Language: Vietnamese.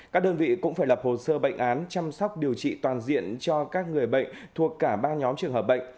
các đơn vị cũng phải lập hồ sơ bệnh án chăm sóc điều trị toàn diện cho các người bệnh thuộc cả ba nhóm trường hợp bệnh